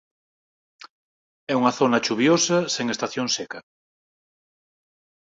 É unha zona chuviosa sen estación seca.